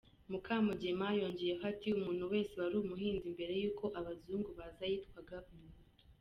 Mukamugema yongeyeho ati ”Umuntu wese wari umuhinzi mbere y’uko abazungu baza yitwaga umuhutu.